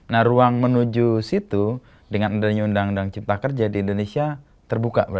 nah ruang menuju situ dengan adanya undang undang cipta kerja di indonesia terbuka